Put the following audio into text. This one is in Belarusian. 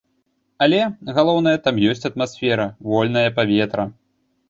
Але, галоўнае, там ёсць атмасфера, вольнае паветра!